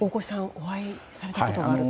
お会いされたことがあると。